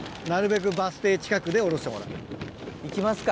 行きますか。